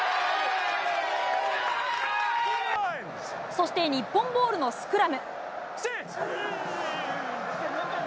そして日本ボールのスクラム。